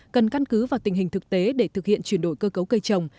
cần căn cứ vào tình hình thực tế để thực hiện chuyển đổi cơ cấu cây trồng